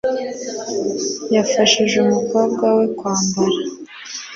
Yafashije umukobwa we kwambara. (Nero)